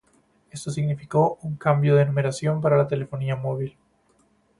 Esto significó un cambio de numeración para la telefonía móvil.